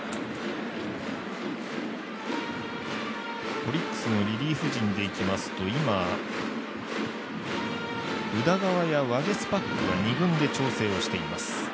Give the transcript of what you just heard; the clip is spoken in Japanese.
オリックスのリリーフ陣でいきますと今、宇田川やワゲスパックは二軍で調整をしています。